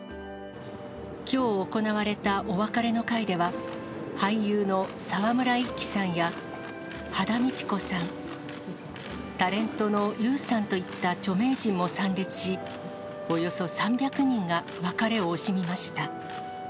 きょう行われたお別れの会では、俳優の沢村一樹さんや、羽田美智子さん、タレントのＹＯＵさんといった著名人も参列し、およそ３００人が別れを惜しみました。